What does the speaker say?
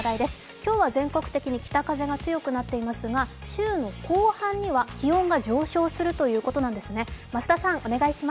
今日は全国的に北風が強くなっていますが週の後半には気温が上昇するということなんです。